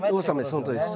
そのとおりです。